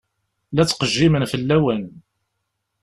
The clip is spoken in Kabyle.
La ttqejjimen fell-awen.